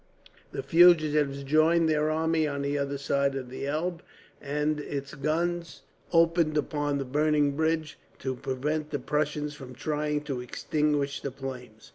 The fugitives joined their army on the other side of the Elbe, and its guns opened upon the burning bridge, to prevent the Prussians from trying to extinguish the flames.